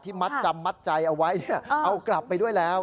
มัดจำมัดใจเอาไว้เอากลับไปด้วยแล้ว